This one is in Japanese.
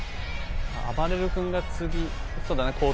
あばれる君が次こうたい。